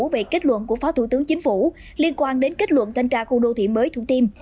về kết luận của phó thủ tướng chính phủ liên quan đến kết luận thanh tra khu đô thị mới thủ thiêm